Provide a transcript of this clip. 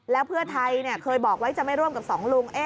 แล้วเพื่อไทยเคยบอกไว้จะไม่ร่วมกับสองลุง